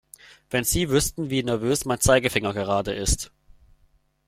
Wenn Sie wüssten, wie nervös mein Zeigefinger gerade ist!